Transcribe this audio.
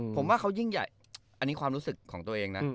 ผมว่าเขายิ่งใหญ่อันนี้ความรู้สึกของตัวเองนะ